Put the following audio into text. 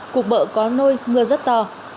cục bợ có nôi mưa rất to